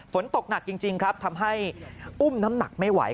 ฝนตกหนักจริงครับทำให้อุ้มน้ำหนักไม่ไหว